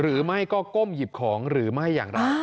หรือไม่ก็ก้มหยิบของหรือไม่อย่างไร